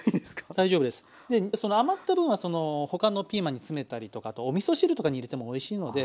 余った分はその他のピーマンに詰めたりとかあとおみそ汁とかに入れてもおいしいので。